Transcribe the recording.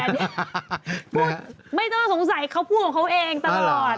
อันนี้พูดไม่ต้องสงสัยเขาพูดของเขาเองตลอด